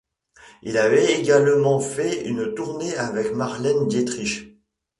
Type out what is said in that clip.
Il avait également fait une tournée avec Marlène Dietrich.